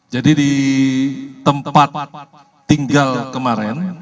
jadi di tempat tinggal kemarin